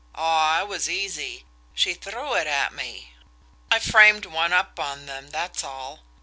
Aw, it was easy. She threw it at me. I framed one up on them, that's all.